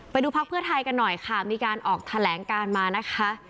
พักเพื่อไทยกันหน่อยค่ะมีการออกแถลงการมานะคะ